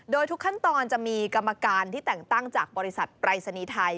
โดยทุกขั้นตอนจะมีกรรมการที่แต่งตั้งจากบริษัทปรายศนีย์ไทย